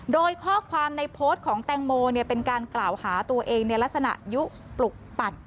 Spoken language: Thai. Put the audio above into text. โดยข้อความในโพสต์ของแตงโมเป็นการกล่าวหาตัวเองในลักษณะยุปลุกปั่น